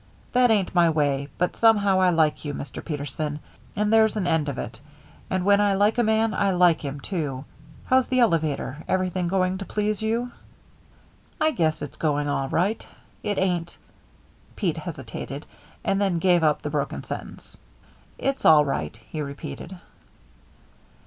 That ain't my way, but somehow I like you, Mr. Peterson, and there's an end of it. And when I like a man, I like him, too. How's the elevator? Everything going to please you?" "I guess it's going all right. It ain't " Pete hesitated, and then gave up the broken sentence. "It's all right," he repeated.